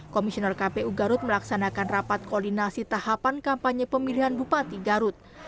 komisioner kpu garut melaksanakan rapat koordinasi tahapan kampanye pemilihan bupati garut